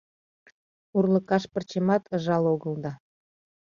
Урлыкаш пырчемат ыжал огыл да.